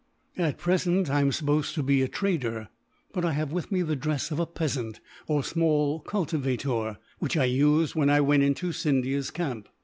"At present I am supposed to be a trader; but I have with me the dress of a peasant, or small cultivator, which I used when I went into Scindia's camp.